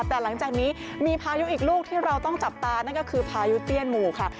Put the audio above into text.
แต่หลังจากนี้มีพายุอีกลูกที่เราต้องจับตานั่นก็คือพายุเตี้ยนหมู่ค่ะ